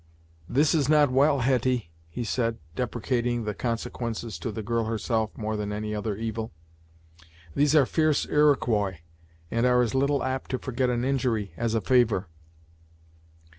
"This is not well, Hetty," he said, deprecating the consequences to the girl herself more than any other evil. "These are fierce Iroquois, and are as little apt to forget an injury, as a favor."